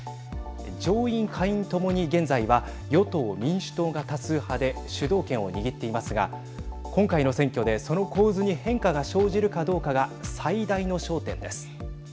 上院・下院ともに現在は与党・民主党が多数派で主導権を握っていますが今回の選挙で、その構図に変化が生じるかどうかが最大の焦点です。